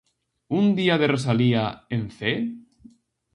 Un día de Rosalía en Cee?